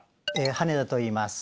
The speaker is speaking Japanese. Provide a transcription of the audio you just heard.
羽根田といいます。